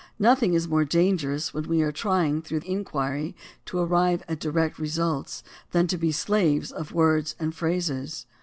Nothing is more dangerous, when we are trying through inquiry to arrive at direct results, than to be the slaves of words or phrases.